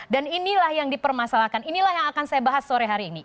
dan inilah yang dipermasalahkan inilah yang akan saya bahas sore hari ini